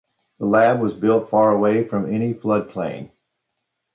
The lab was built far away from any flood plain.